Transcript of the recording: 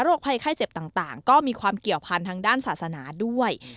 ภัยไข้เจ็บต่างก็มีความเกี่ยวพันธ์ทางด้านศาสนาด้วย